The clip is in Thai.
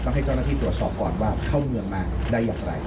ให้เจ้าหน้าที่ตรวจสอบก่อนว่าเข้าเมืองมาได้อย่างไร